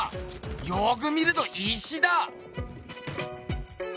よく見ると石だ！